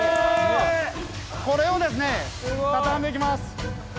これをですね畳んで行きます。